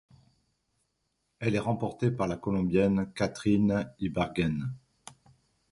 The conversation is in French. Elle est remportée par la Colombienne Caterine Ibargüen.